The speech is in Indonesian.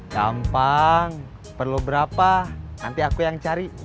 gampang perlu berapa nanti aku yang cari